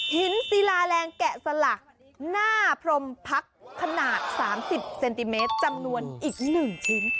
ศิลาแรงแกะสลักหน้าพรมพักขนาด๓๐เซนติเมตรจำนวนอีก๑ชิ้น